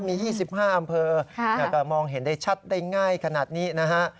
มี๒๕อำเภอก็มองเห็นได้ชัดได้ง่ายขนาดนี้นะฮะ